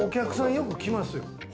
よく来ますよ。